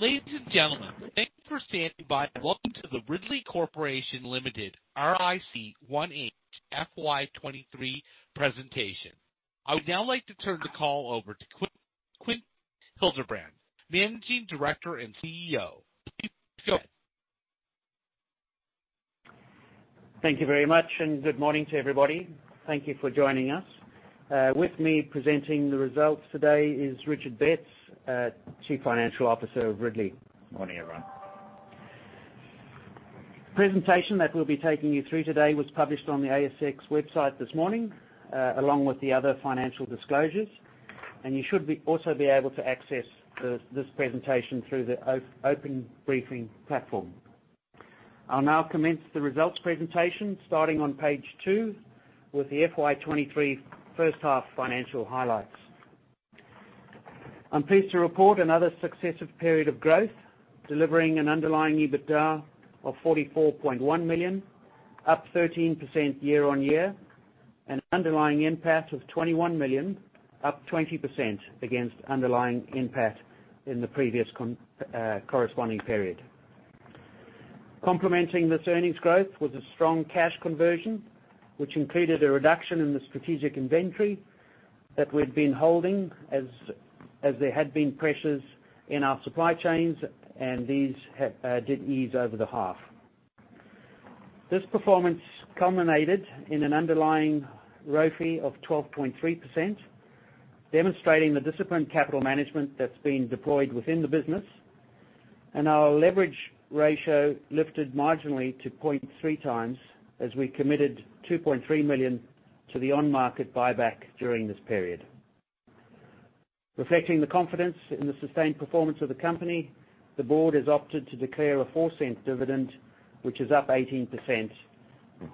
Ladies and gentlemen, thank you for standing by, and welcome to the Ridley Corporation Limited, RIC 1H FY 23 presentation. I would now like to turn the call over to Quinton Hildebrand, Managing Director and CEO. Quinton, go ahead. Thank you very much, good morning to everybody. Thank you for joining us. With me presenting the results today is Richard Betts, Chief Financial Officer of Ridley. Morning, everyone. Presentation that we'll be taking you through today was published on the ASX website this morning, along with the other financial disclosures. You should also be able to access this presentation through the open briefing platform. I'll now commence the results presentation starting on page 2 with the FY23 first half financial highlights. I'm pleased to report another successive period of growth, delivering an underlying EBITDA of A$44.1 million, up 13% year on year, an underlying NPAT of A$21 million, up 20% against underlying NPAT in the previous corresponding period. Complementing this earnings growth was a strong cash conversion which included a reduction in the strategic inventory that we'd been holding as there had been pressures in our supply chains and these did ease over the half. This performance culminated in an underlying ROFE of 12.3%, demonstrating the disciplined capital management that's been deployed within the business. Our leverage ratio lifted marginally to 0.3 times as we committed A$2-3 million to the on-market buyback during this period. Reflecting the confidence in the sustained performance of the company, the board has opted to declare a A$0.04 dividend, which is up 18%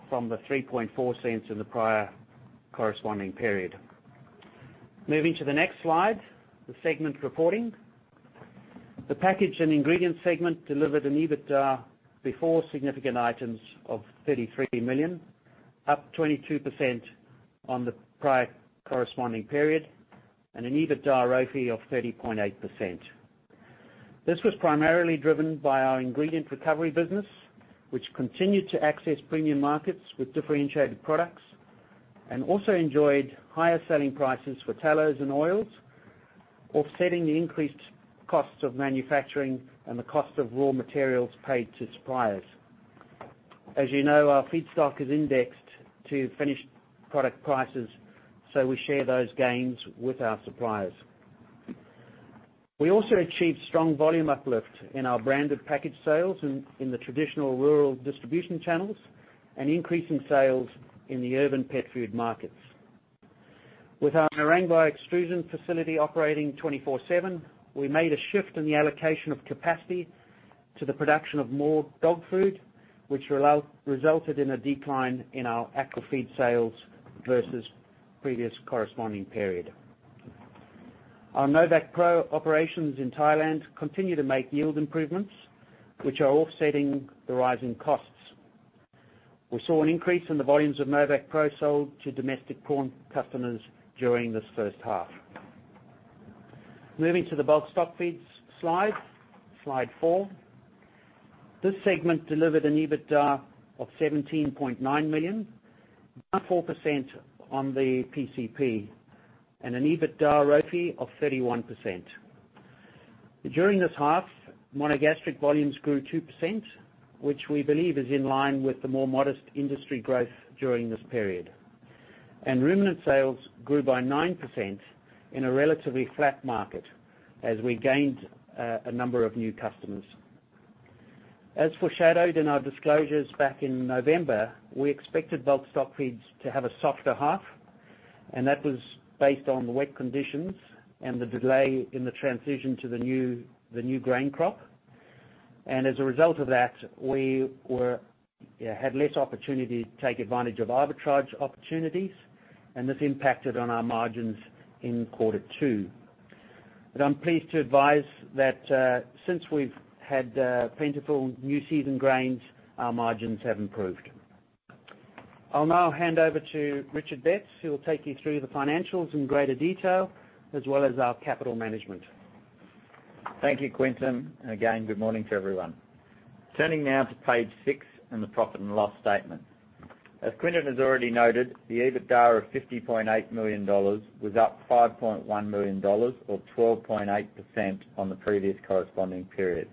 from theA$0.034 in the prior corresponding period. Moving to the next slide, the segment reporting. The Packaged and Ingredient segment delivered an EBITDA before significant items of A$33 million, up 22% on the prior corresponding period, and an EBITDA ROFE of 30.8%. This was primarily driven by our ingredient recovery business, which continued to access premium markets with differentiated products and also enjoyed higher selling prices for tallows and oils, offsetting the increased costs of manufacturing and the cost of raw materials paid to suppliers. As you know, our feedstock is indexed to finished product prices, we share those gains with our suppliers. We also achieved strong volume uplift in our branded package sales in the traditional rural distribution channels, and increase in sales in the urban pet food markets. With our Narangba extrusion facility operating 24/7, we made a shift in the allocation of capacity to the production of more dog food, which resulted in a decline in our aqua feed sales versus previous corresponding period. Our NovacqPro operations in Thailand continue to make yield improvements, which are offsetting the rising costs. We saw an increase in the volumes of NovacqPro sold to domestic corn customers during this first half. Moving to the bulk stock feeds slide four. This segment delivered an EBITDA of A$17.9 million million, up 4% on the PCP and an EBITDA ROFE of 31%. During this half, monogastric volumes grew 2%, which we believe is in line with the more modest industry growth during this period. Ruminant sales grew by 9% in a relatively flat market as we gained a number of new customers. As foreshadowed in our disclosures back in November, we expected bulk stock feeds to have a softer half, and that was based on the wet conditions and the delay in the transition to the new grain crop. As a result of that, we had less opportunity to take advantage of arbitrage opportunities and this impacted on our margins in quarter two. I'm pleased to advise that since we've had plentiful new season grains, our margins have improved. I'll now hand over to Richard Betts, who will take you through the financials in greater detail as well as our capital management. Thank you, Quinton, again, good morning to everyone. Turning now to page 6 and the profit and loss statement. As Quinton has already noted, the EBITDA of A$50.8 million was up A$5.1 million or 12.8% on the previous corresponding period.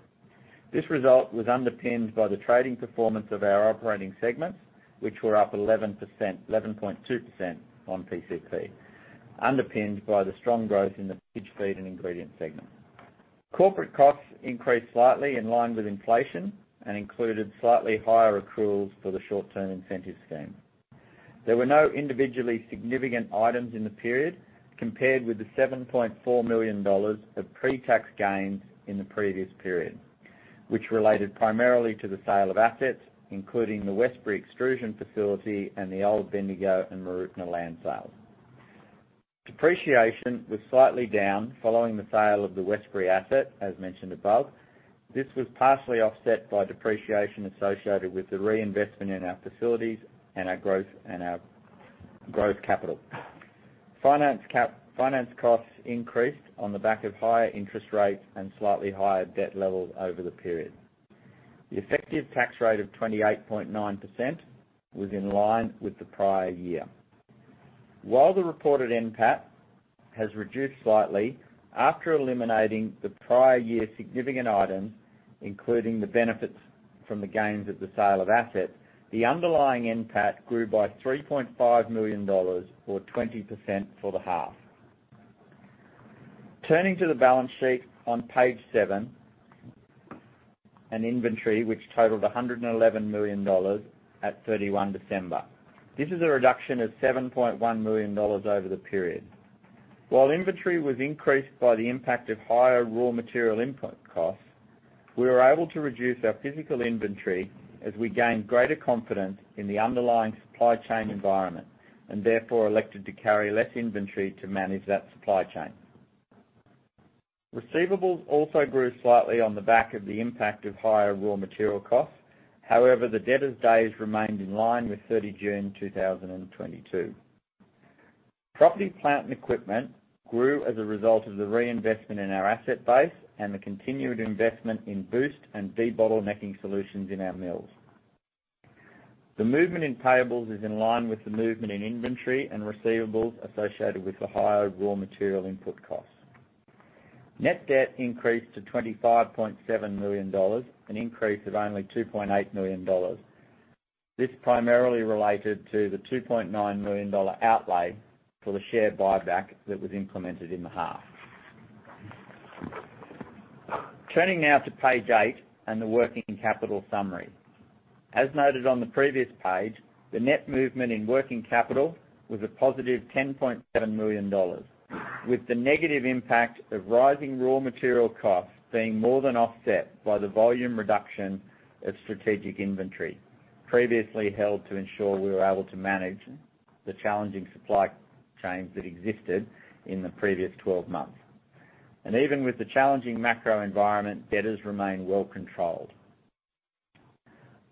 This result was underpinned by the trading performance of our operating segments, which were up 11%, 11.2% on PCP, underpinned by the strong growth in the Packaged Feeds and Ingredients segment. Corporate costs increased slightly in line with inflation and included slightly higher accruals for the short-term incentive scheme. There were no individually significant items in the period compared with the A$7.4 million of pre-tax gains in the previous period, which related primarily to the sale of assets, including the Westbury extrusion facility and the old Bendigo and Mooroopna land sale. Depreciation was slightly down following the sale of the Westbury asset, as mentioned above. This was partially offset by depreciation associated with the reinvestment in our facilities and our growth capital. Finance costs increased on the back of higher interest rates and slightly higher debt levels over the period. The effective tax rate of 28.9% was in line with the prior year. While the reported NPAT has reduced slightly, after eliminating the prior year significant items, including the benefits from the gains of the sale of assets, the underlying NPAT grew by A$3.5 million or 20% for the half. Turning to the balance sheet on page 7, inventory which totaled A$111 million at December 31. This is a reduction of A$7.1 million over the period. While inventory was increased by the impact of higher raw material input costs, we were able to reduce our physical inventory as we gained greater confidence in the underlying supply chain environment, and therefore elected to carry less inventory to manage that supply chain. Receivables also grew slightly on the back of the impact of higher raw material costs. However, the debtors' days remained in line with 30 June 2022. Property plant and equipment grew as a result of the reinvestment in our asset base and the continued investment in Boost and debottlenecking solutions in our mills. The movement in payables is in line with the movement in inventory and receivables associated with the higher raw material input costs. Net debt increased to A$ 25.7 million, an increase of only A$2.8 million. This primarily related to the A$2.9 million outlay for the share buyback that was implemented in the half. Turning now to page 8 and the working capital summary. As noted on the previous page, the net movement in working capital was a positive A$10.7 million, with the negative impact of rising raw material costs being more than offset by the volume reduction of strategic inventory previously held to ensure we were able to manage the challenging supply chains that existed in the previous 12 months. Even with the challenging macro environment, debtors remain well controlled.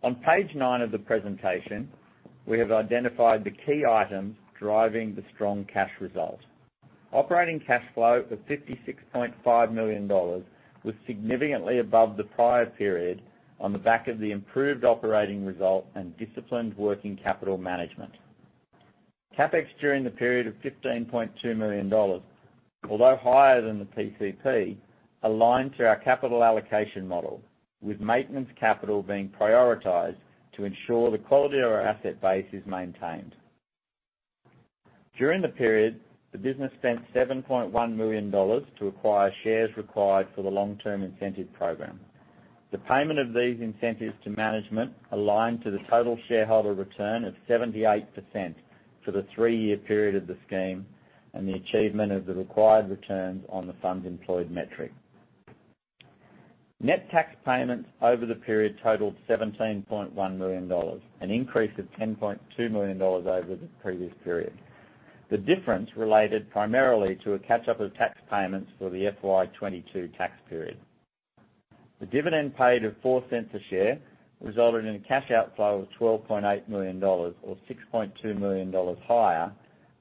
On page 9 of the presentation, we have identified the key items driving the strong cash result. Operating cash flow of A$56.5 million was significantly above the prior period on the back of the improved operating result and disciplined working capital management. CapEx during the period of A$15.2 million, although higher than the PCP, aligned to our capital allocation model, with maintenance capital being prioritized to ensure the quality of our asset base is maintained. During the period, the business spentA$7.1 million to acquire shares required for the long-term incentive program. The payment of these incentives to management aligned to the total shareholder return of 78% for the three-year period of the scheme and the achievement of the required returns on the funds employed metric. Net tax payments over the period totaled A$17.1 million, an increase of A$10.2 million over the previous period. The difference related primarily to a catch-up of tax payments for the FY22 tax period. The dividend paid of A$0.04 a share resulted in a cash outflow of A$12.8 million or A$6.2 million higher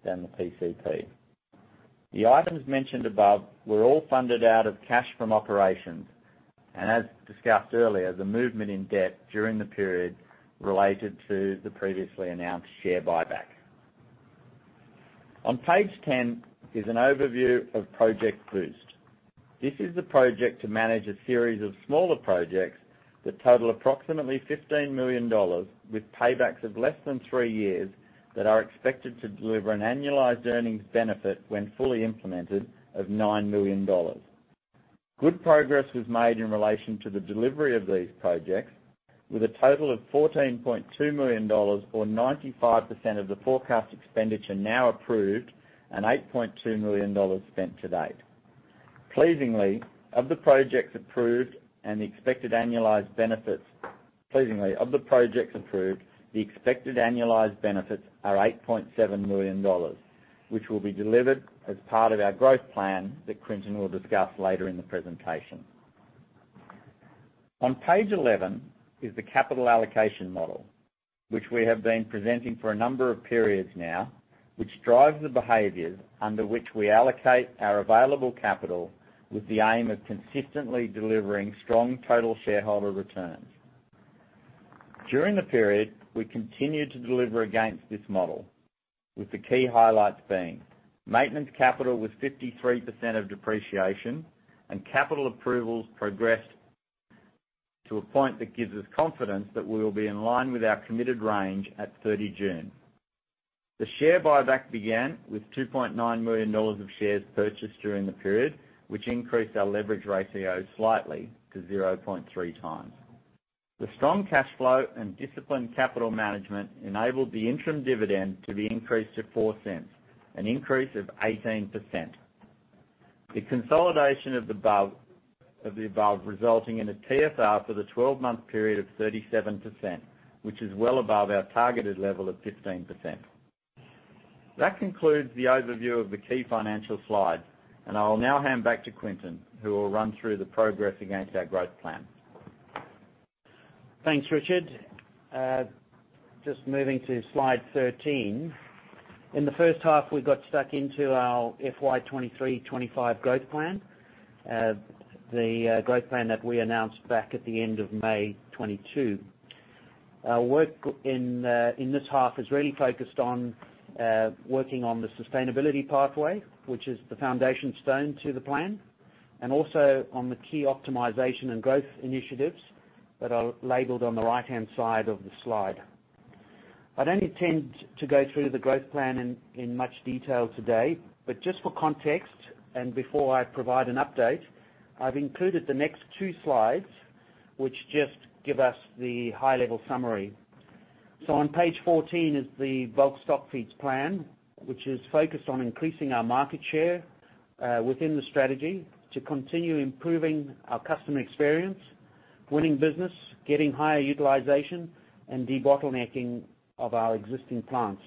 than the PCP. The items mentioned above were all funded out of cash from operations, and as discussed earlier, the movement in debt during the period related to the previously announced share buyback. On page 10 is an overview of Project Boost. This is the project to manage a series of smaller projects that total approximately A$15 million with paybacks of less than 3 years that are expected to deliver an annualized earnings benefit when fully implemented of A$9 million. Good progress was made in relation to the delivery of these projects with a total of A$14.2 million or 95% of the forecast expenditure now approved andA$8.2 million spent to date. Pleasingly, of the projects approved, the expected annualized benefits are A$8.7 million, which will be delivered as part of our growth plan that Quinton Hildebrand will discuss later in the presentation. On page 11 is the capital allocation model, which we have been presenting for a number of periods now, which drives the behaviors under which we allocate our available capital with the aim of consistently delivering strong total shareholder returns. During the period, we continued to deliver against this model, with the key highlights being maintenance capital was 53% of depreciation and capital approvals progressed to a point that gives us confidence that we will be in line with our committed range at June 30. The share buyback began with A$2.9 million of shares purchased during the period, which increased our leverage ratio slightly to 0.3 times. The strong cash flow and disciplined capital management enabled the interim dividend to be increased to A$0.04, an increase of 18%. The consolidation of the above, resulting in a TSR for the 12-month period of 37%, which is well above our targeted level of 15%. That concludes the overview of the key financial slides. I'll now hand back to Quinton, who will run through the progress against our growth plan. Thanks, Richard. Just moving to slide 13. In the first half, we got stuck into our FY23/25 growth plan. The growth plan that we announced back at the end of May 2022. Our work in this half is really focused on working on the sustainability pathway, which is the foundation stone to the plan, and also on the key optimization and growth initiatives that are labeled on the right-hand side of the slide. I don't intend to go through the growth plan in much detail today, but just for context, and before I provide an update, I've included the next two slides, which just give us the high-level summary. On page 14 is the bulk stock feeds plan, which is focused on increasing our market share within the strategy to continue improving our customer experience, winning business, getting higher utilization, and debottlenecking of our existing plants.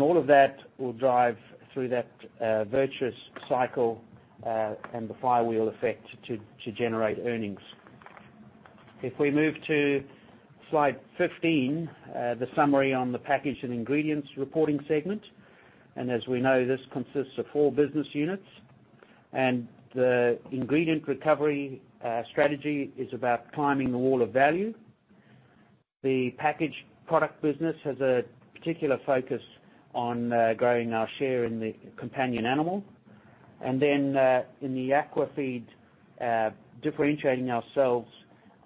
All of that will drive through that virtuous cycle and the flywheel effect to generate earnings. If we move to slide 15, the summary on the Packaged Feeds and Ingredients reporting segment, as we know, this consists of four business units. The Ingredient Recovery strategy is about climbing the wall of value. The packaged product business has a particular focus on growing our share in the companion animal. In the aqua feed, differentiating ourselves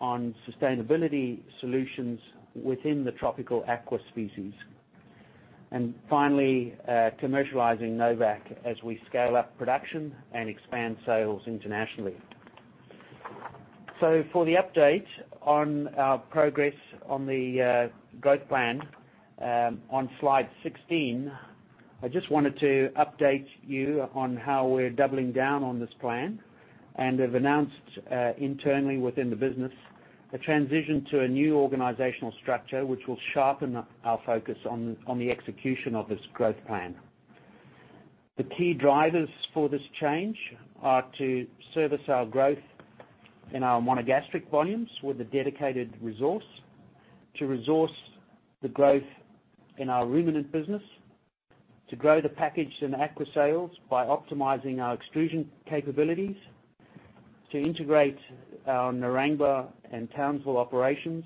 on sustainability solutions within the tropical aqua species. Finally, commercializing Novacq as we scale up production and expand sales internationally. For the update on our progress on the growth plan, on slide 16, I just wanted to update you on how we're doubling down on this plan, and have announced internally within the business, a transition to a new organizational structure which will sharpen our focus on the execution of this growth plan. The key drivers for this change are to service our growth in our monogastric volumes with a dedicated resource, to resource the growth in our ruminant business, to grow the packaged and aqua sales by optimizing our extrusion capabilities, to integrate our Narangba and Townsville operations,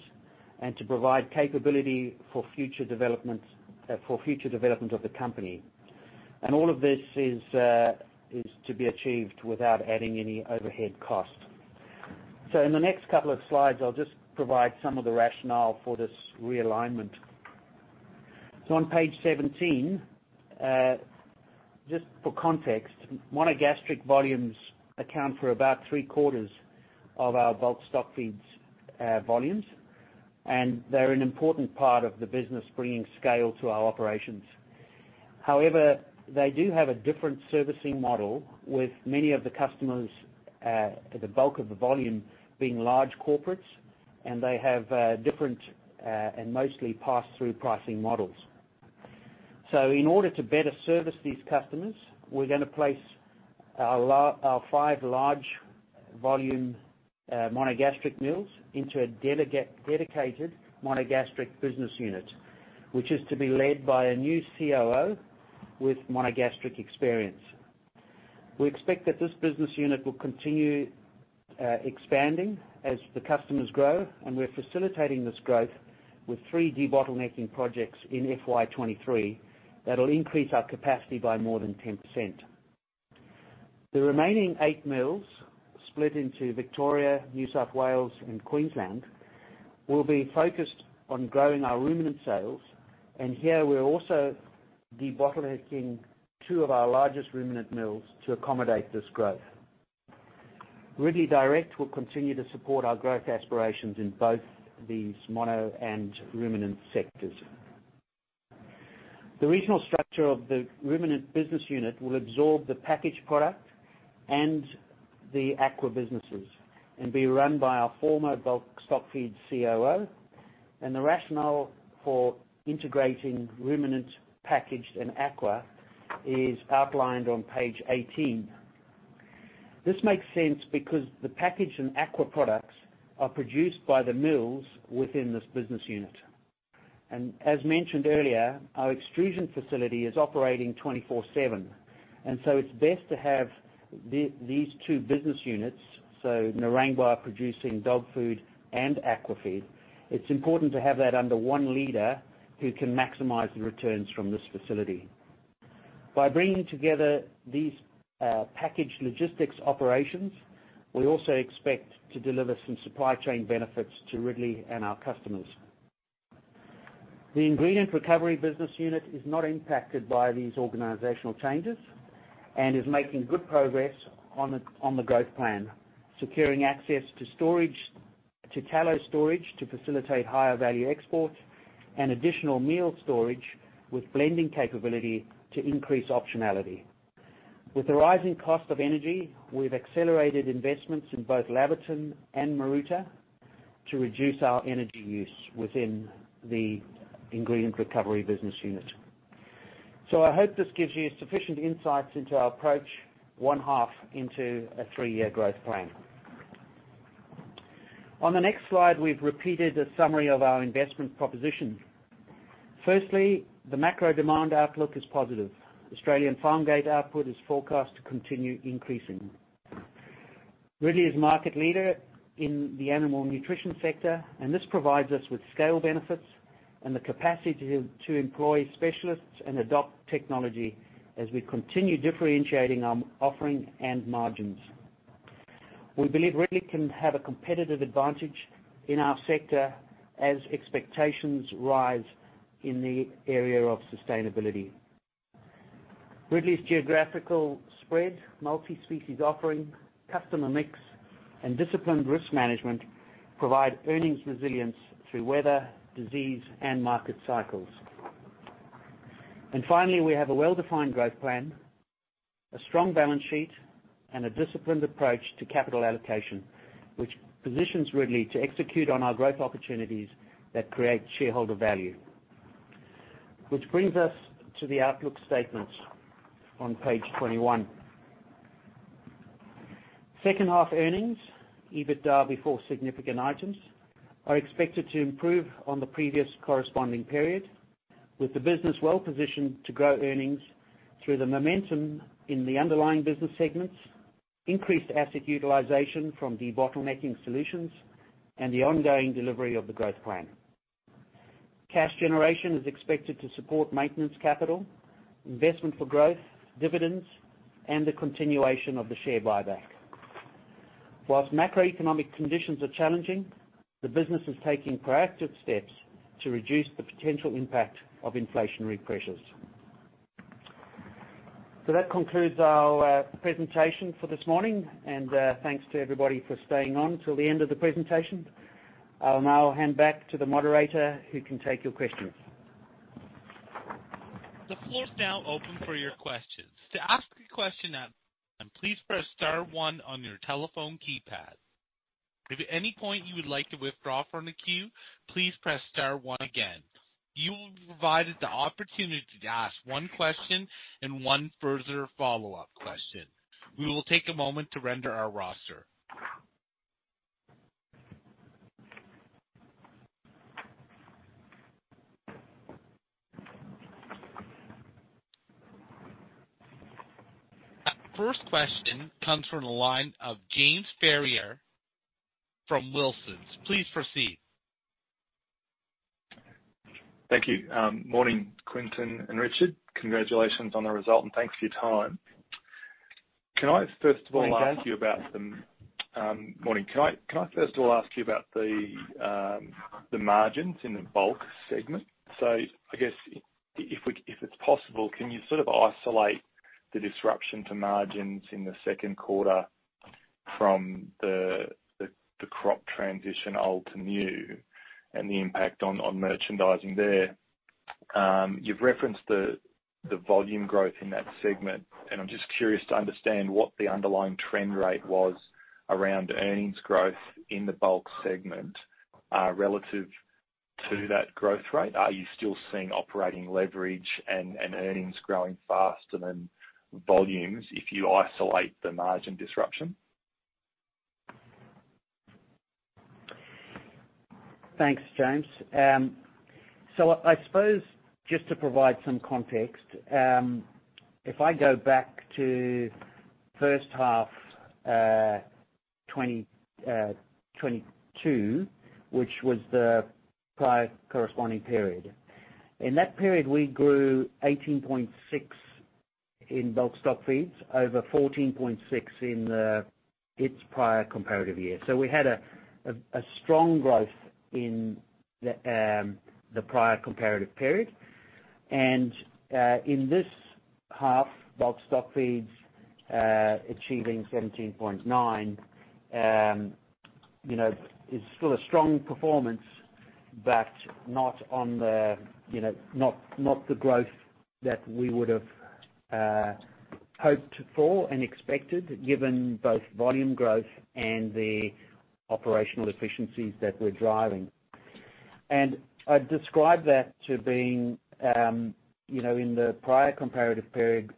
and to provide capability for future developments for future development of the company. All of this is to be achieved without adding any overhead cost. In the next couple of slides, I'll just provide some of the rationale for this realignment. On page seventeen, just for context, monogastric volumes account for about three-quarters of our bulk stockfeeds volumes, and they're an important part of the business, bringing scale to our operations. However, they do have a different servicing model with many of the customers, the bulk of the volume being large corporates, and they have different and mostly pass-through pricing models. In order to better service these customers, we're gonna place our five large volume monogastric mills into a dedicated monogastric business unit, which is to be led by a new COO with monogastric experience. We expect that this business unit will continue expanding as the customers grow, and we're facilitating this growth with three debottlenecking projects in FY23 that'll increase our capacity by more than 10%. The remaining 8 mills, split into Victoria, New South Wales, and Queensland, will be focused on growing our ruminant sales, and here we're also debottlenecking 2 of our largest ruminant mills to accommodate this growth. Ridley DIRECT will continue to support our growth aspirations in both these mono and ruminant sectors. The regional structure of the ruminant business unit will absorb the packaged product and the aqua businesses and be run by our former bulk stock feed COO, and the rationale for integrating ruminant, packaged, and aqua is outlined on page 18. This makes sense because the packaged and aqua products are produced by the mills within this business unit. As mentioned earlier, our extrusion facility is operating 24/7, and so it's best to have these two business units, so Narangba producing dog food and aqua feed, it's important to have that under one leader who can maximize the returns from this facility. By bringing together these packaged logistics operations, we also expect to deliver some supply chain benefits to Ridley and our customers. The ingredient recovery business unit is not impacted by these organizational changes and is making good progress on the growth plan, securing access to storage, to tallow storage to facilitate higher value exports and additional meal storage with blending capability to increase optionality. With the rising cost of energy, we've accelerated investments in both Laverton and Maroota to reduce our energy use within the Ingredient Recovery business unit. I hope this gives you sufficient insights into our approach one half into a three-year growth plan. On the next slide, we've repeated a summary of our investment proposition. Firstly, the macro demand outlook is positive. Australian farm gate output is forecast to continue increasing. Ridley is market leader in the animal nutrition sector, and this provides us with scale benefits and the capacity to employ specialists and adopt technology as we continue differentiating our offering and margins. We believe Ridley can have a competitive advantage in our sector as expectations rise in the area of sustainability. Ridley's geographical spread, multi-species offering, customer mix, and disciplined risk management provide earnings resilience through weather, disease, and market cycles. Finally, we have a well-defined growth plan, a strong balance sheet, and a disciplined approach to capital allocation, which positions Ridley to execute on our growth opportunities that create shareholder value. Which brings us to the outlook statements on page 21. Second half earnings, EBITDA before significant items, are expected to improve on the previous corresponding period, with the business well-positioned to grow earnings through the momentum in the underlying business segments, increased asset utilization from debottlenecking solutions, and the ongoing delivery of the growth plan. Cash generation is expected to support maintenance capital, investment for growth, dividends, and the continuation of the share buyback. Whilst macroeconomic conditions are challenging, the business is taking proactive steps to reduce the potential impact of inflationary pressures. That concludes our presentation for this morning, and thanks to everybody for staying on till the end of the presentation. I'll now hand back to the moderator who can take your questions. The floor is now open for your questions. To ask a question at this time, please press star one on your telephone keypad. If at any point you would like to withdraw from the queue, please press star one again. You will be provided the opportunity to ask one question and one further follow-up question. We will take a moment to render our roster. Our first question comes from the line of James Ferrier from Wilsons. Please proceed. Thank you. Morning, Quinton and Richard. Congratulations on the result. Thanks for your time. Can I first of all ask you about. Morning, James. Morning. Can I first of all ask you about the margins in the bulk segment? I guess if it's possible, can you isolate the disruption to margins in the second quarter from the crop transition, old to new, and the impact on merchandising there? You've referenced the volume growth in that segment, I'm just curious to understand what the underlying trend rate was around earnings growth in the bulk segment relative to that growth rate. Are you still seeing operating leverage and earnings growing faster than volumes if you isolate the margin disruption? Thanks, James. I suppose just to provide some context, if I go back to first half 2022, which was the prior corresponding period. In that period, we grew 18.6% in bulk stock feeds over 14.6% in its prior comparative year. We had a strong growth in the prior comparative period. In this half, bulk stock feeds achieving 17.9%, you know, is still a strong performance, but not on the, you know, the growth that we would've hoped for and expected given both volume growth and the operational efficiencies that we're driving. I'd describe that to being, you know, in the prior comparative period,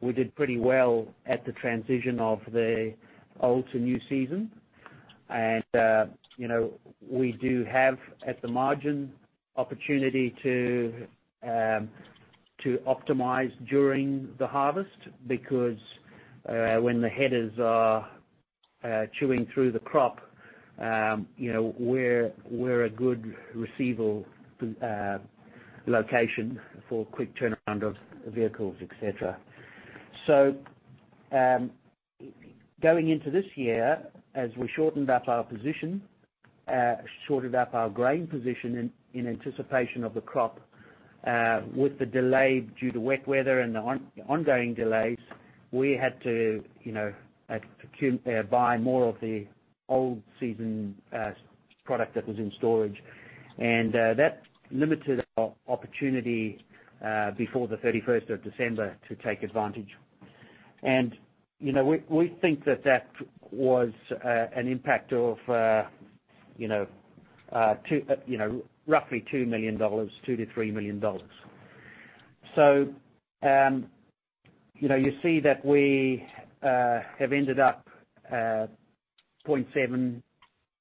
we did pretty well at the transition of the old to new season. You know, we do have, at the margin, opportunity to optimize during the harvest because when the headers are chewing through the crop, you know, we're a good receivable location for quick turnaround of vehicles, et cetera. Going into this year, as we shortened up our position, shortened up our grain position in anticipation of the crop, with the delay due to wet weather and the ongoing delays, we had to, you know, buy more of the old season product that was in storage. That limited our opportunity before the 31st of December to take advantage. You know, we think that that was an impact of, you know, roughly A$2 million, A$2 million-A$3 million. You know, you see that we have ended up A$0.7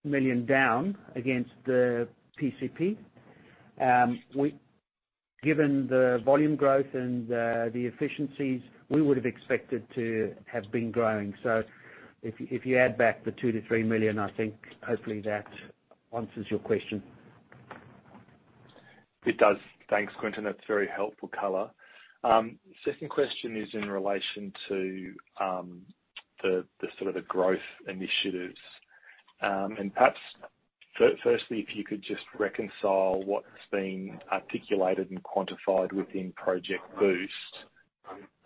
million down against the PCP. Given the volume growth and the efficiencies, we would have expected to have been growing. If you add back the A$2 million-A$3 million, I think hopefully that answers your question. It does. Thanks, Quinton. That's a very helpful color. Second question is in relation to the the growth initiatives, and perhaps firstly, if you could just reconcile what's being articulated and quantified within Project Boost,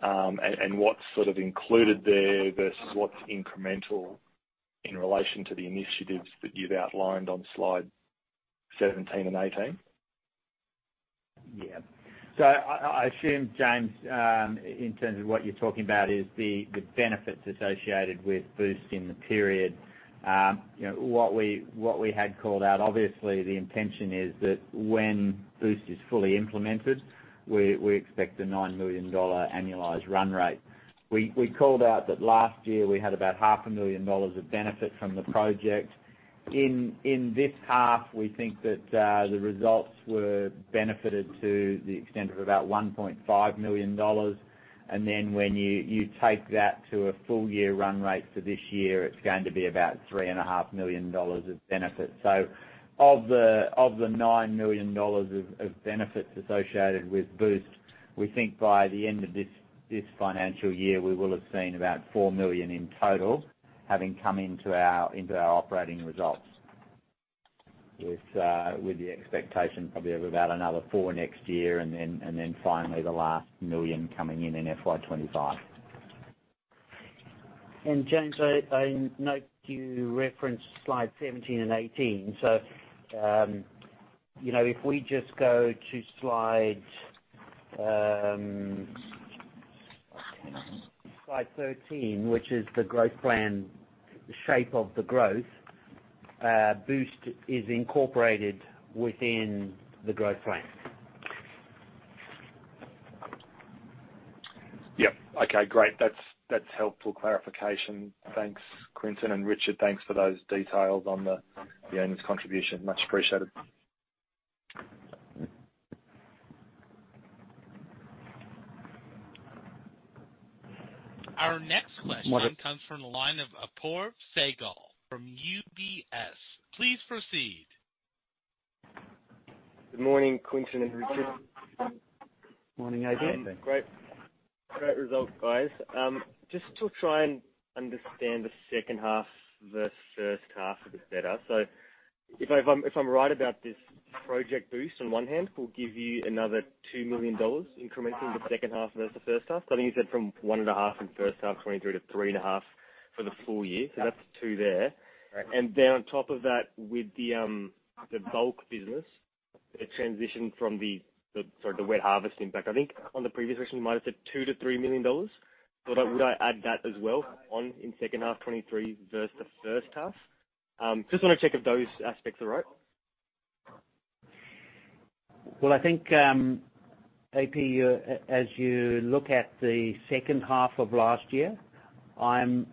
and what's included there versus what's incremental in relation to the initiatives that you've outlined on slide 17 and 18. I assume, James, in terms of what you're talking about is the benefits associated with Boost in the period. You know, what we had called out, obviously the intention is that when Boost is fully implemented, we expect a A$9 million annualized run rate. We called out that last year we had about half a million A$ of benefit from the project. In this half, we think that the results were benefited to the extent of about A$1.5 million. When you take that to a full year run rate for this year, it's going to be about three and a half million A$of benefits. Of theA$ 9 million of benefits associated with Boost, we think by the end of this financial year, we will have seen about A$4 million in total having come into our operating results. With the expectation probably of about another A$4 million next year and then finally the lastA$1 million coming in in FY25. James, I note you referenced slide 17 and 18. You know, if we just go to slide 13, which is the growth plan, the shape of the growth, Boost is incorporated within the growth plan. Yep. Okay, great. That's helpful clarification. Thanks, Quinton and Richard, thanks for those details on the earnings contribution. Much appreciated. Our next question comes from the line of Apoorv Sehgal from UBS. Please proceed. Good morning, Quinton and Richard. Morning, AP. Great, great result, guys. Just to try and understand the second half versus first half a bit better. If I'm right about this Project Boost on one hand will give you anotherA$2 million incremental in the second half versus first half. I think you said from one and a half in 1H FY '23 to three and a half for the full year. That's A$2 million there. Correct. On top of that, with the, sorry, the wet harvest impact, I think on the previous version you might have said A$2 million-A$ 3 million. Would I add that as well on in second half 2023 versus the first half? Just wanna check if those aspects are right. Well, I think, AP, you, as you look at the second half of last year, I'm,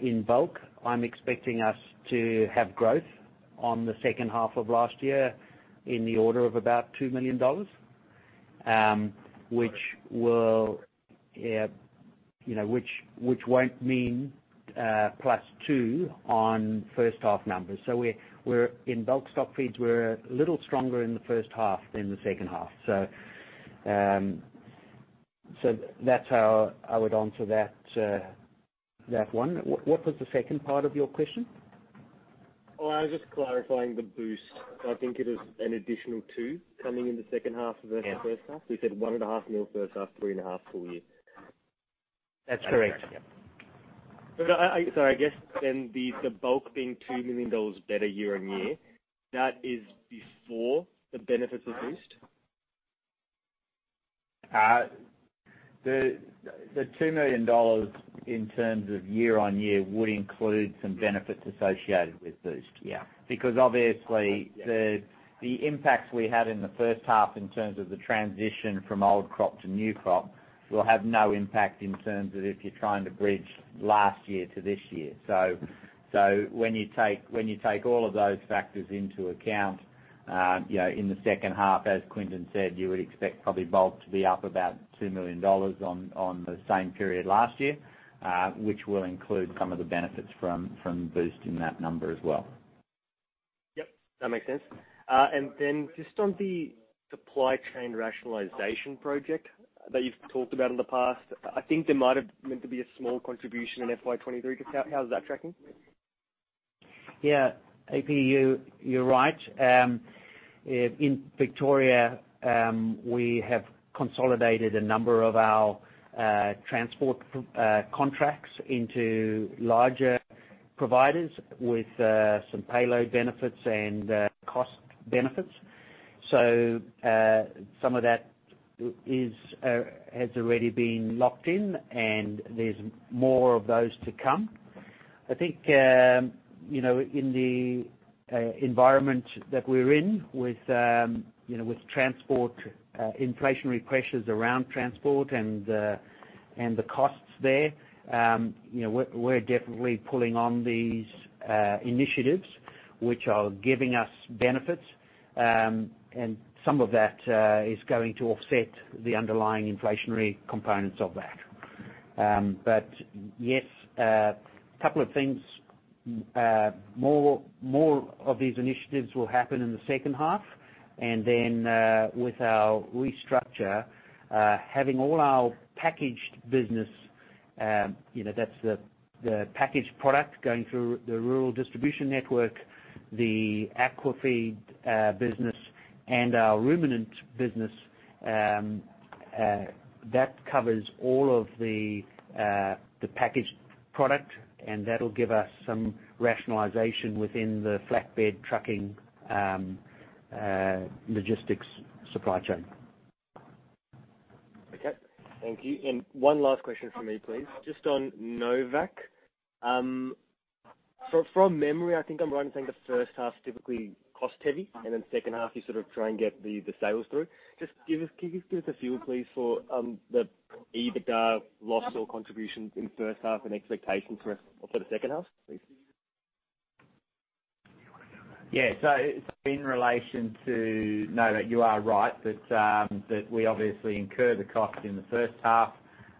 in bulk, I'm expecting us to have growth on the second half of last year in the order of about A$2 million, which will. Great. Yeah. You know, which won't mean +2 on first half numbers. We're in bulk stockfeeds, we're a little stronger in the first half than the second half. That's how I would answer that one. What was the second part of your question? Oh, I was just clarifying the Boost. I think it is an additional two coming in the second half. Yeah. -versus first half. You said one and a half mil A$ first half, three and a half mil A$ full year. That's correct. Yeah. I guess then the bulk being A$2 million better year-on-year, that is before the benefits of Boost? The A$2 million in terms of year on year would include some benefits associated with Boost. Yeah. Because obviously. Okay. Yeah. The impacts we had in the first half in terms of the transition from old crop to new crop will have no impact in terms of if you're trying to bridge last year to this year. When you take all of those factors into account, you know, in the second half, as Quinton said, you would expect probably bulk to be up about A$ 2 million on the same period last year, which will include some of the benefits from Boost in that number as well. Yep, that makes sense. Then just on the supply chain rationalization project that you've talked about in the past, I think there might have meant to be a small contribution in FY23. Just how is that tracking? Yeah. AP, you're right. In Victoria, we have consolidated a number of our transport contracts into larger providers with some payload benefits and cost benefits. Some of that is has already been locked in, and there's more of those to come. I think, you know, in the environment that we're in with, you know, with transport inflationary pressures around transport and the costs there, you know, we're definitely pulling on these initiatives which are giving us benefits. Some of that is going to offset the underlying inflationary components of that. Yes, couple of things. More of these initiatives will happen in the second half. With our restructure, having all our packaged business, you know, that's the packaged product going through the rural distribution network, the aqua feed business and our ruminant business, that covers all of the packaged product, and that'll give us some rationalization within the flatbed trucking logistics supply chain. Okay. Thank you. One last question from me, please. Just on Novacq. From memory, I think I'm right in saying the first half's typically cost heavy, and then second half, you try and get the sales through. Just give us, can you give us a feel, please, for the EBITDA loss or contribution in first half and expectations for the second half, please? You wanna go that? In relation to Novacq, you are right that we obviously incur the cost in the first half,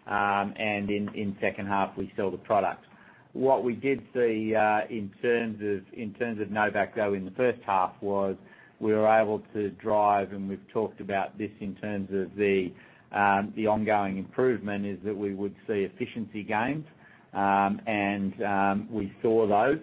and in second half we sell the product. What we did see in terms of Novacq though, in the first half was we were able to drive, and we've talked about this in terms of the ongoing improvement, is that we would see efficiency gains. We saw those.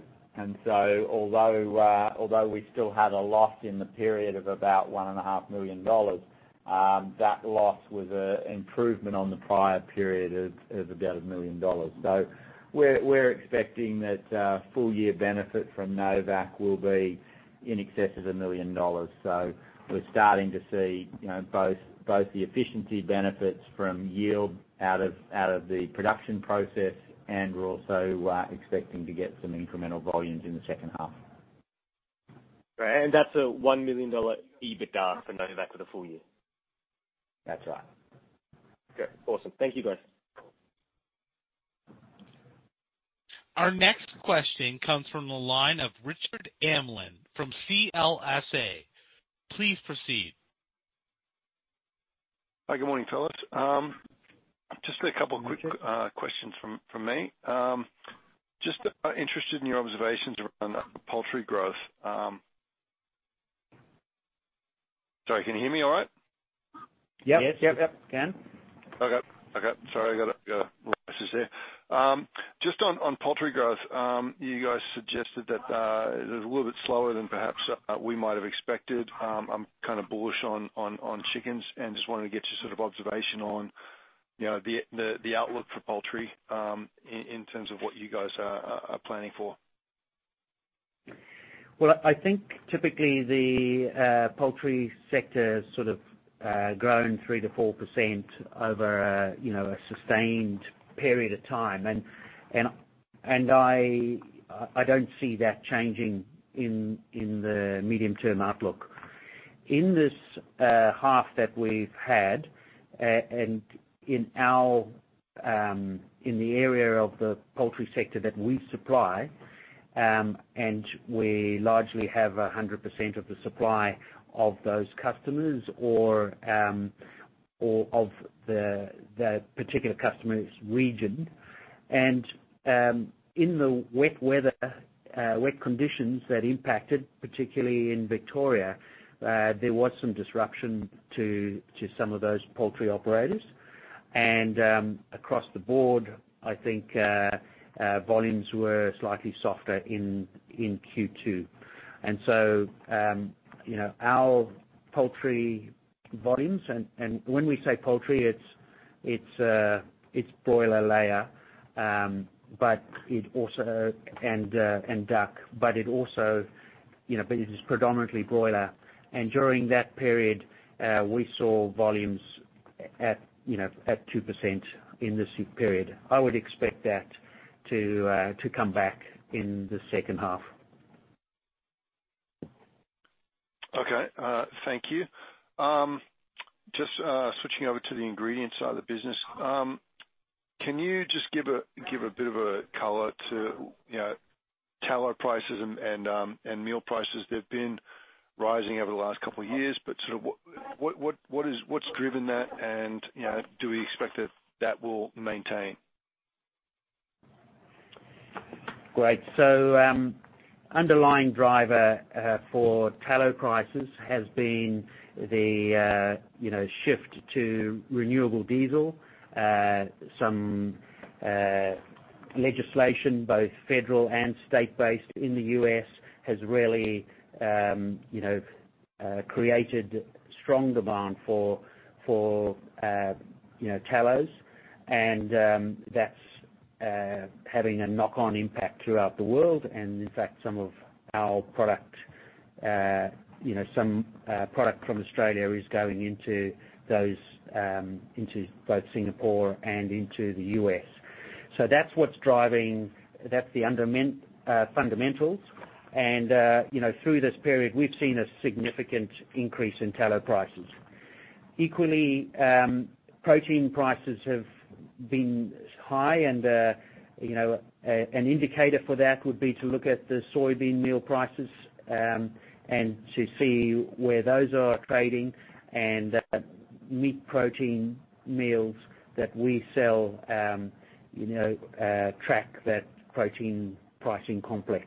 Although we still had a loss in the period of about $1.5 million, that loss was improvement on the prior period of about $1 million. We're expecting that full year benefit from Novacq will be in excess of $1 million. We're starting to see, you know, both the efficiency benefits from yield out of the production process, and we're also expecting to get some incremental volumes in the second half. Great. That's a A$1 million EBITDA for Novacq for the full year? That's right. Okay. Awesome. Thank you guys. Our next question comes from the line of Richard Amlând from CLSA. Please proceed. Hi, good morning, fellas. Just a couple quick questions from me. Just interested in your observations around the poultry growth. Sorry, can you hear me all right? Yep. Yes. Yep. Can. Okay. Okay. Sorry, I got a little crisis there. Just on poultry growth, you guys suggested that it was a little bit slower than perhaps we might have expected. I'm kinda bullish on chickens and just wanted to get your observation on, you know, the outlook for poultry, in terms of what you guys are planning for. Well, I think typically the poultry sector grown 3%-4% over, you know, a sustained period of time. I don't see that changing in the medium-term outlook. In this half that we've had, and in our in the area of the poultry sector that we supply, and we largely have 100% of the supply of those customers or of the particular customer's region. In the wet weather, wet conditions that impacted, particularly in Victoria, there was some disruption to some of those poultry operators. Across the board, I think volumes were slightly softer in Q2. Our poultry volumes... When we say poultry, it's broiler layer, but it also... Duck, but it also, you know, it is predominantly broiler. During that period, we saw volumes at, you know, at 2% in this period. I would expect that to come back in the second half. Okay. Thank you. Just switching over to the ingredients side of the business. Can you just give a bit of a color to, you know, tallow prices and meal prices? They've been rising over the last couple of years, what's driven that? You know, do we expect that that will maintain? Great. Underlying driver for tallow prices has been the, you know, shift to renewable diesel. Some legislation, both federal and state-based in the U.S. has really, you know, created strong demand for, you know, tallows. And that's having a knock-on impact throughout the world. In fact, some of our product, you know, some product from Australia is going into those, into both Singapore and into the U.S. That's what's driving... That's the fundamentals. You know, through this period, we've seen a significant increase in tallow prices. Equally, protein prices have been high and, you know, an indicator for that would be to look at the soybean meal prices, and to see where those are trading and, meat protein meals that we sell, you know, track that protein pricing complex.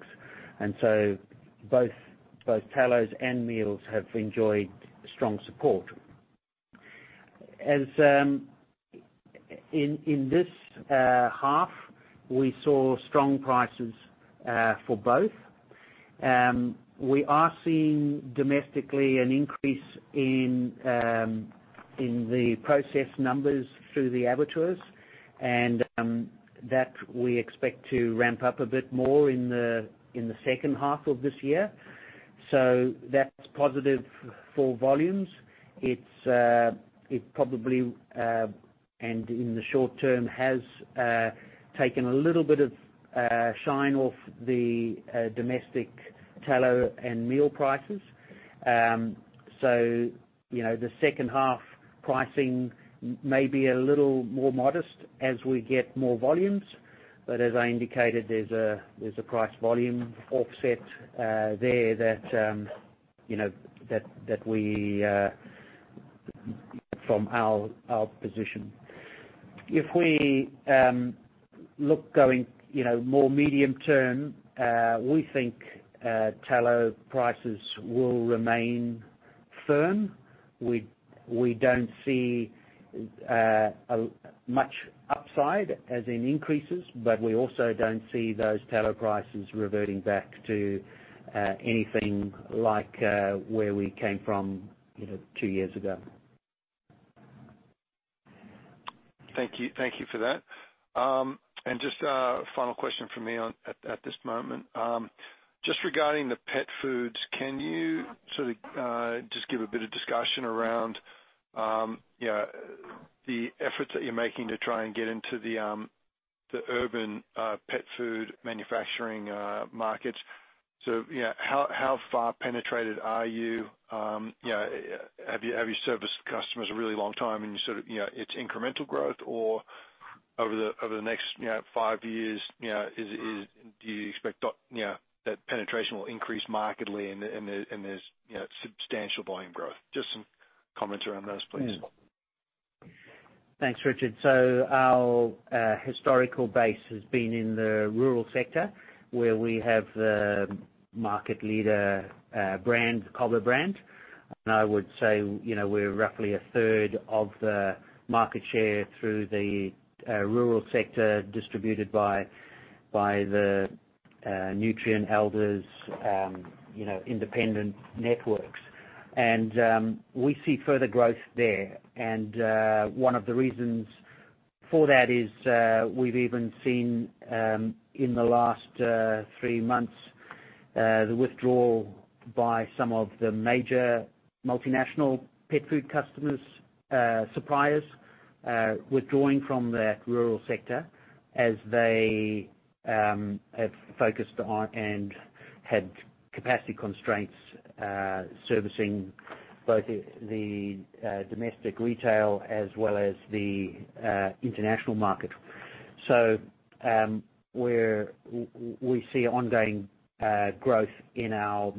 Both tallows and meals have enjoyed strong support. As in this half, we saw strong prices for both. We are seeing domestically an increase in the process numbers through the abattoirs, and that we expect to ramp up a bit more in the second half of this year. That's positive for volumes. It's it probably and in the short term, has taken a little bit of shine off the domestic tallow and meal prices. you know, the second half pricing may be a little more modest as we get more volumes. As I indicated, there's a price-volume offset there that, you know, that we from our position. If we look going, you know, more medium-term, we think tallow prices will remain firm. We don't see much upside, as in increases, but we also don't see those tallow prices reverting back to anything like where we came from, you know, two years ago. Thank you. Thank you for that. Just a final question from me on, at this moment. Just regarding the pet foods, can you, just give a bit of discussion around, you know, the efforts that you're making to try and get into the urban pet food manufacturing markets? So, you know, how far penetrated are you? You know, have you serviced customers a really long time, and you, you know, it's incremental growth? Or over the, over the next, you know, five years, you know, is, do you expect, you know, that penetration will increase markedly and there's, you know, substantial volume growth? Just some comments around those, please. Thanks, Richard. So our historical base has been in the rural sector, where we have the market leader brand, the Cobber brand. I would say, you know, we're roughly 1/3 of the market share through the rural sector distributed by the Nutrien, Elders, you know, independent networks. We see further growth there. One of the reasons for that is we've even seen in the last three months the withdrawal by some of the major multinational pet food customers, suppliers, withdrawing from that rural sector as they have focused on and had capacity constraints servicing both the domestic retail as well as the international market. We see ongoing growth in our,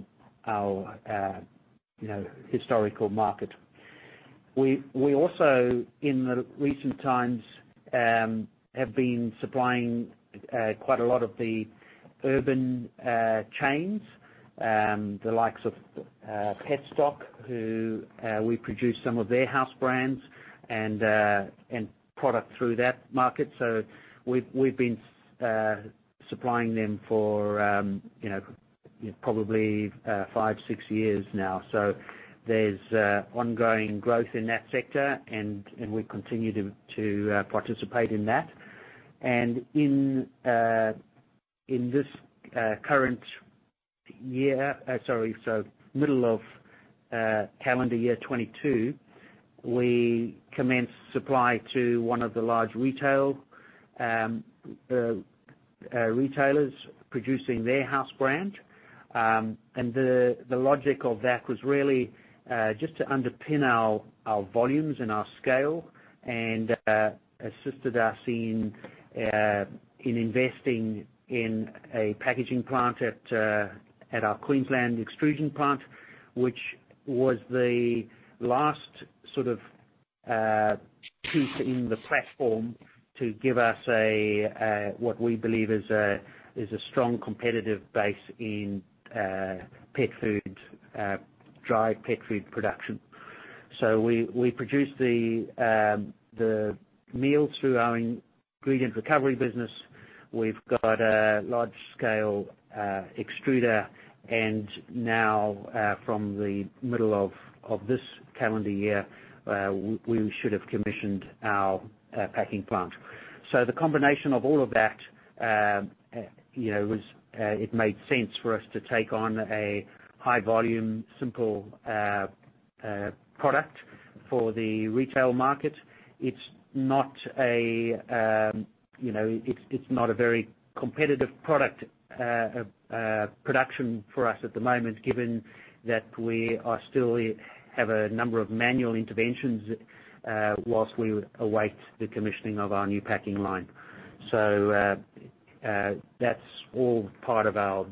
you know, historical market. We also, in the recent times, have been supplying quite a lot of the urban chains, the likes of Petstock, who we produce some of their house brands and product through that market. We've been supplying them for, you know, probably five, six years now. There's ongoing growth in that sector and we continue to participate in that. In this current year, sorry, so middle of calendar year 2022, we commenced supply to one of the large retail retailers producing their house brand. The logic of that was really just to underpin our volumes and our scale and assisted us in investing in a packaging plant at our Queensland extrusion plant, which was the last piece in the platform to give us a what we believe is a strong competitive base in pet food, dry pet food production. We, we produce the meals through our Ingredient Recovery business. We've got a large scale extruder and now, from the middle of this calendar year, we should have commissioned our packing plant. The combination of all of that, you know, was it made sense for us to take on a high volume, simple product for the retail market. It's not a, you know, it's not a very competitive product, production for us at the moment, given that we are still have a number of manual interventions, whilst we await the commissioning of our new packing line. That's all part of us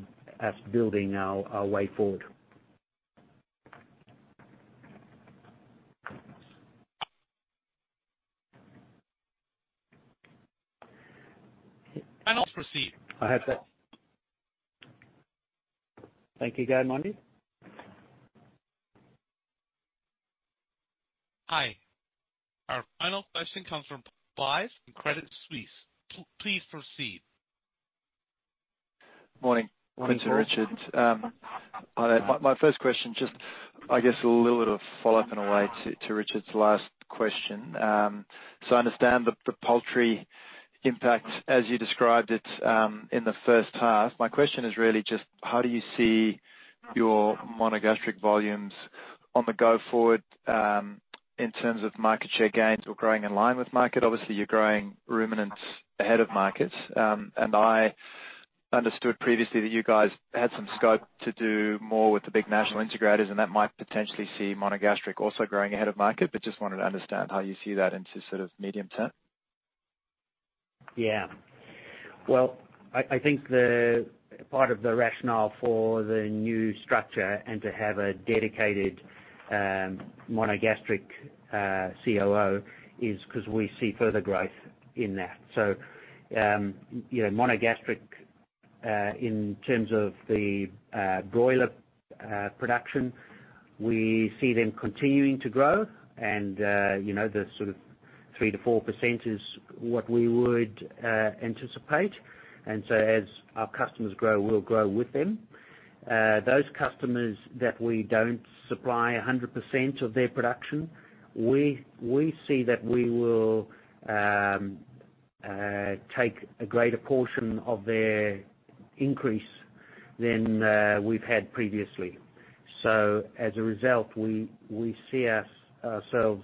building our way forward. I'll proceed. I have that. Thank you. Hi. Our final question comes from Blythe Koch from Credit Suisse. Please proceed. Morning. Morning. Quentin, Richard. My first question just, I guess a little bit of follow-up in a way to Richard's last question. I understand the poultry impact as you described it, in the first half. My question is really just how do you see your monogastric volumes on the go forward, in terms of market share gains or growing in line with market? Obviously, you're growing ruminants ahead of markets. I understood previously that you guys had some scope to do more with the big national integrators, and that might potentially see monogastric also growing ahead of market. Just wanted to understand how you see that into medium-term. Yeah. Well, I think the part of the rationale for the new structure and to have a dedicated monogastric COO is 'cause we see further growth in that. You know, monogastric in terms of the broiler production, we see them continuing to grow and, you know, the 3% to 4% is what we would anticipate. As our customers grow, we'll grow with them. Those customers that we don't supply 100% of their production, we see that we will take a greater portion of their increase than we've had previously. As a result, we see ourselves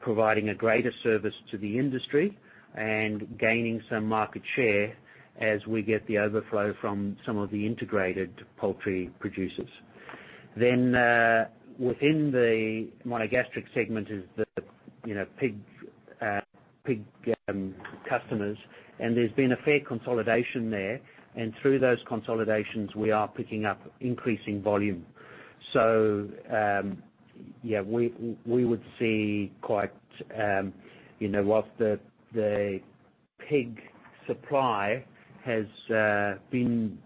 providing a greater service to the industry and gaining some market share as we get the overflow from some of the integrated poultry producers. Within the monogastric segment is the, you know, pig customers, and there's been a fair consolidation there. Through those consolidations, we are picking up increasing volume. Yeah, we would see quite, you know, whilst the pig supply has been,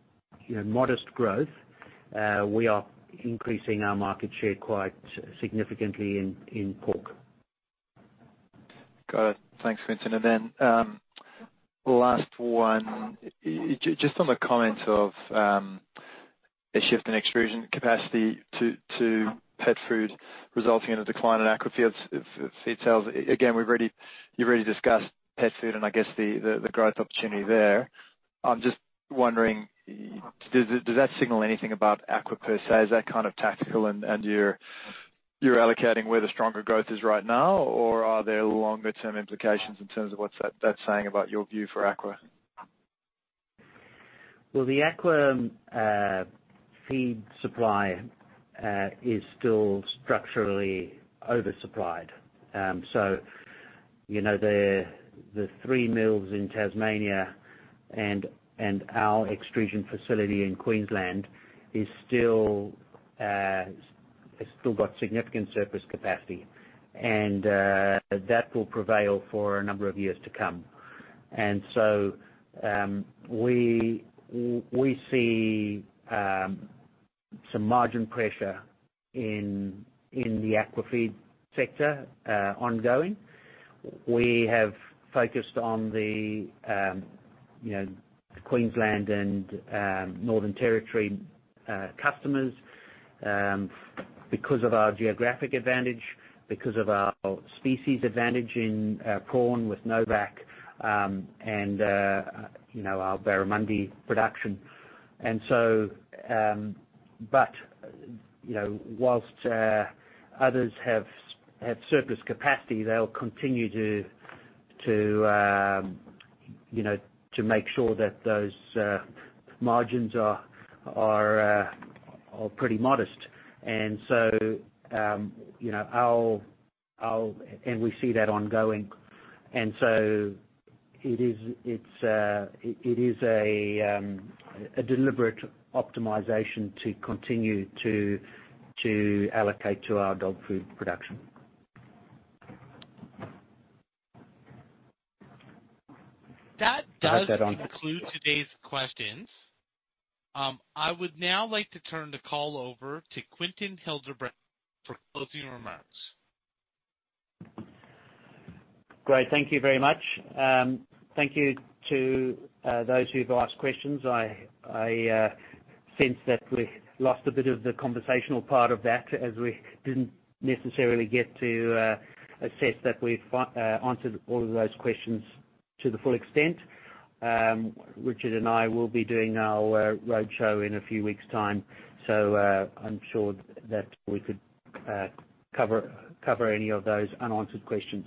you know, modest growth, we are increasing our market share quite significantly in pork. Got it. Thanks, Quinton. Last one. Just on the comments of a shift in extrusion capacity to pet food resulting in a decline in aqua feed sales. Again, you've already discussed pet food and I guess the growth opportunity there. I'm just wondering, does that signal anything about aqua per se? Is that tactical and you're allocating where the stronger growth is right now? Or are there longer term implications in terms of what's that saying about your view for aqua? Well, the aqua feed supply is still structurally oversupplied. You know, the three mills in Tasmania and our extrusion facility in Queensland is still has still got significant surplus capacity, and that will prevail for a number of years to come. We see some margin pressure in the aqua feed sector ongoing. We have focused on the, you know, Queensland and Northern Territory customers, because of our geographic advantage, because of our species advantage in prawn with Novacq, and, you know, our barramundi production. You know, whilst others have surplus capacity, they'll continue to, you know, to make sure that those margins are pretty modest. you know, and we see that ongoing. It is a deliberate optimization to continue to allocate to our dog food production. That does conclude today's questions. I would now like to turn the call over to Quinton Hildebrand for closing remarks. Great. Thank you very much. Thank you to those who've asked questions. I sense that we lost a bit of the conversational part of that as we didn't necessarily get to assess that we've answered all of those questions to the full extent. Richard and I will be doing our roadshow in a few weeks time, I'm sure that we could cover any of those unanswered questions.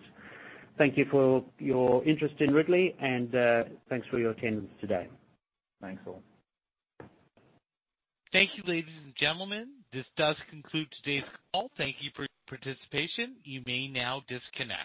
Thank you for your interest in Ridley and thanks for your attendance today. Thanks, all. Thank you, ladies and gentlemen. This does conclude today's call. Thank you for your participation. You may now disconnect.